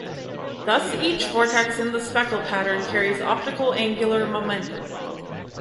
Thus each vortex in the speckle pattern carries optical angular momentum.